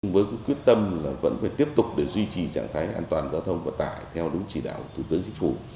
với quyết tâm là vẫn phải tiếp tục để duy trì trạng thái an toàn giao thông vận tải theo đúng chỉ đạo của thủ tướng chính phủ